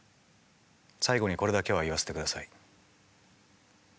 最後にこれだけは言わせてください。